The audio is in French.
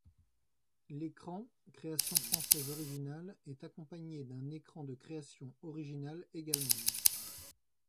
L'écran, création française originale, est accompagné d'un écran de création originale également.